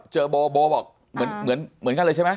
เจอโบโบบอกเหมือนกันเลยใช่ไหม